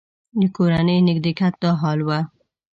د کورني نږدېکت دا حال و.